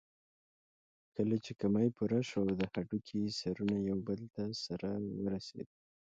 کله چې کمى پوره شو او د هډوکي سرونه يو بل ته سره ورسېدل.